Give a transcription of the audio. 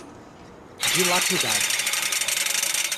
dilapidados